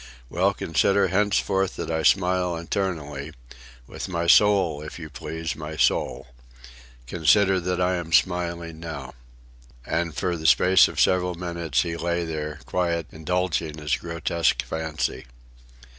"Well, consider henceforth that I smile internally, with my soul, if you please, my soul. Consider that I am smiling now." And for the space of several minutes he lay there, quiet, indulging his grotesque fancy.